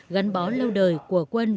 gắn bó lâu đời của quân